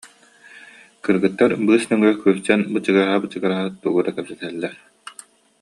Кыргыттар быыс нөҥүө күлсэн бычыгыраһа-бычыгыраһа тугу эрэ кэпсэтэллэр